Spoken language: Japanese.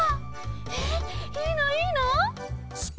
えっいいのいいの！？